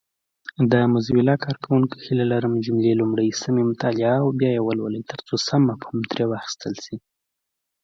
مستۍ کښې تېر کړی دی۔